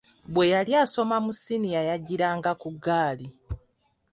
Bwe yali asoma mu siniya yajjiranga ku ggaali.